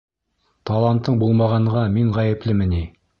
Талантың булмағанға мин ғәйеплеме ни?